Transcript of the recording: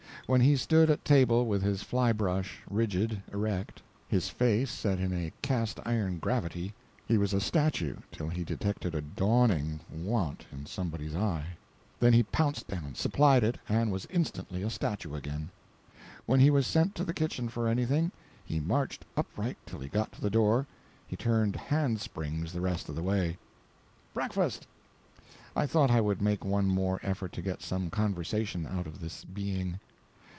When he stood at table with his fly brush, rigid, erect, his face set in a cast iron gravity, he was a statue till he detected a dawning want in somebody's eye; then he pounced down, supplied it, and was instantly a statue again. When he was sent to the kitchen for anything, he marched upright till he got to the door; he turned hand springs the rest of the way. "Breakfast!" I thought I would make one more effort to get some conversation out of this being.